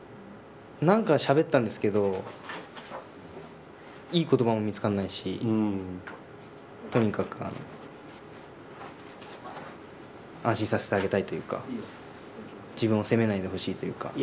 なんかしゃべったんですけどいい言葉も見つからないしとにかく安心させてあげたいというか自分を責めないでほしいというか。